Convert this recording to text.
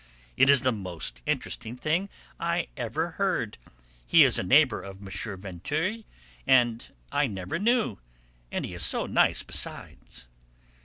It is the most interesting thing I ever heard. He is a neighbour of M. Vinteuil's, and I never knew; and he is so nice besides."